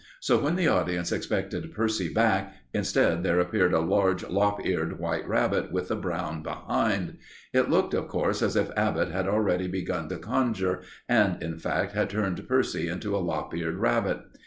So when the audience expected Percy back, instead there appeared a large, lop eared white rabbit with a brown behind. It looked, of course, as if Abbott had already begun to conjure, and, in fact, had turned Percy into a lop eared rabbit.